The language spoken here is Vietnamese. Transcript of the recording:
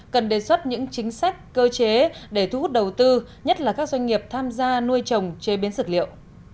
cần đề xuất những chính sách cơ chế để thu hút đầu tư nhất là các doanh nghiệp tham gia nuôi trồng chế biến dược liệu